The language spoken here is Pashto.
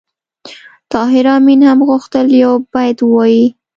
طاهر آمین هم غوښتل یو بیت ووایي